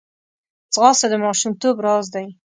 ځغاسته د ماشومتوب راز دی